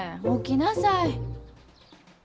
起きなさい。